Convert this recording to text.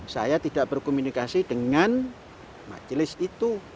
saya tidak berkomunikasi dengan majelis itu